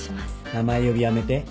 名前呼びやめて。